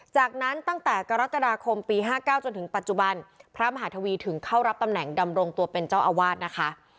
จากนั้นตั้งแต่กรกฎาคมปี๕๙จนถึงปัจจุบันพระมหาทวีถึงเข้ารับตำแหน่งดำรงตัวเป็นเจ้าอาวาสนะคะ